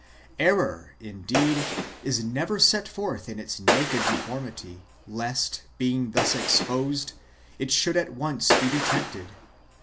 Error, indeed, is never set forth in its naked deformity, lest, being thus exposed, it should at once be detected.